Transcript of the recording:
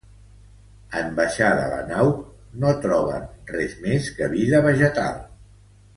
En baixar de la nau, no troben res més que vida vegetal.